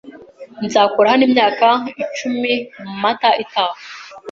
Nzakora hano imyaka icumi Mata itaha.